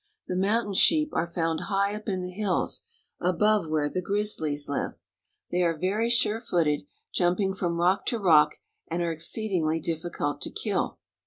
The mountain sheep are found high up in the hills, above where the grizzlies live. They are very sure footed, jumping from rock to rock, and are ex ceedingly difficult to kill.